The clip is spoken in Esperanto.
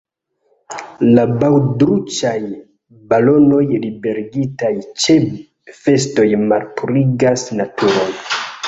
La baŭdruĉaj balonoj liberigitaj ĉe festoj malpurigas naturon.